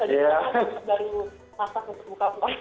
tadi baru masak untuk buka puasa